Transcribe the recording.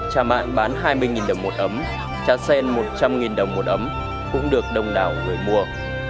trà mạng bán hai mươi đồng một ấm trà sen một trăm linh đồng một ấm cũng được đông đảo người mua